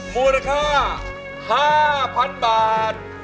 มูลค่า๕๐๐๐บาท